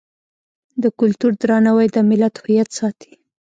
د کلتور درناوی د ملت هویت ساتي.